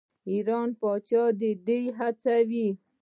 ایران پاچا دې ته وهڅوي.